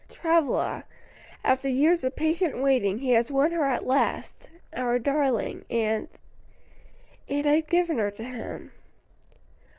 "Travilla; after years of patient waiting he has won her at last our darling and and I've given her to him."